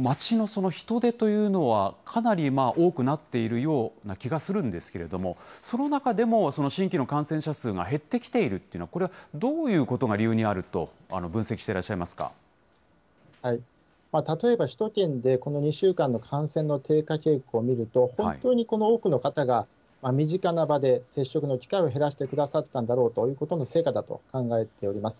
街の人出というのは、かなり多くなっているような気がするんですけれども、その中でも新規の感染者数が減ってきているというのは、これはどういうことが理由にあると分析していらっしゃいま例えば首都圏で、この２週間の感染の低下傾向を見ると、本当にこの多くの方が身近な場で接触の機会を減らしてくださったことの成果だと考えております。